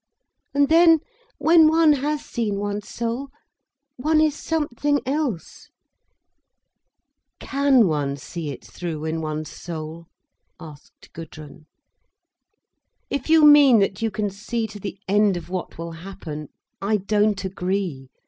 And then, when one has seen one's soul, one is something else." "Can one see it through in one's soul?" asked Gudrun. "If you mean that you can see to the end of what will happen, I don't agree.